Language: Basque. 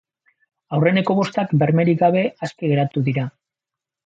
Aurreneko bostak bermerik gabe aske geratu dira.